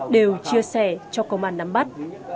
đều chia sẻ cho công an nằm vắt